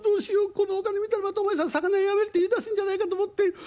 このお金見たらまたお前さん魚屋やめるって言いだすんじゃないかと思って。